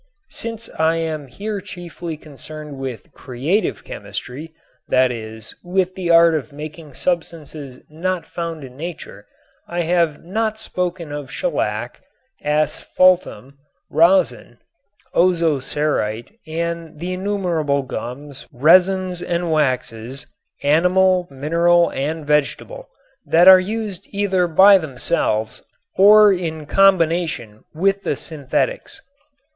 Since I am here chiefly concerned with "Creative Chemistry," that is, with the art of making substances not found in nature, I have not spoken of shellac, asphaltum, rosin, ozocerite and the innumerable gums, resins and waxes, animal, mineral and vegetable, that are used either by themselves or in combination with the synthetics.